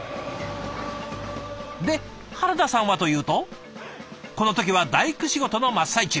で原田さんはというとこの時は大工仕事の真っ最中。